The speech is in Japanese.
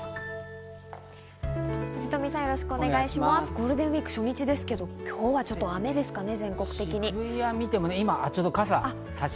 ゴールデンウイーク初日ですけど、今日はちょっと雨ですかね？